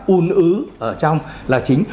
ùn ứ ở trong là chính